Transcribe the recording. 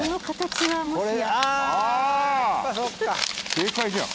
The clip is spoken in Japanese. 正解じゃん。